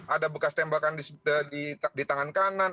ada bekas tembakan di tangan kanan